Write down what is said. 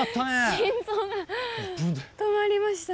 心臓が止まりました。